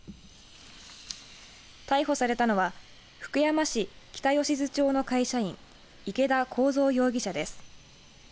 逮捕されたのは福山市北吉津町の会社員池田耕三容疑者です。